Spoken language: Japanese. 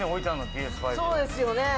「そうですよね」